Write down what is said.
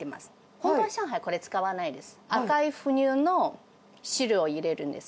本当は上海、これ使わないです。